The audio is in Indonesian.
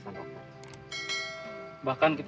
ya pak kadek